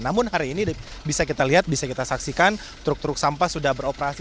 namun hari ini bisa kita lihat bisa kita saksikan truk truk sampah sudah beroperasi